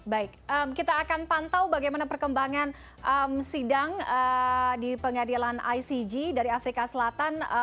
baik kita akan pantau bagaimana perkembangan sidang di pengadilan icg dari afrika selatan